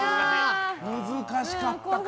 難しかったか。